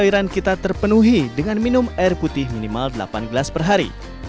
kita harus memiliki air yang terpenuhi dengan minum air putih minimal delapan gelas per hari